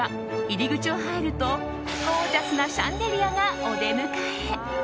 入り口を入るとゴージャスなシャンデリアがお出迎え。